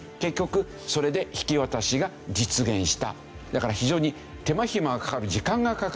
だから非常に手間暇がかかる時間がかかる。